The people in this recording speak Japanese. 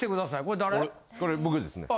これ僕ですね。